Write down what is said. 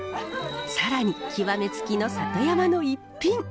更に極め付きの里山の逸品。